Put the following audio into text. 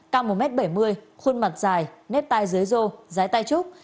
cam một m bảy mươi khuôn mặt dài nét tai dưới rô dái tai trúc